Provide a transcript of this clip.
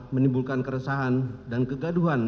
menimbulkan keresahan dan kegaduhan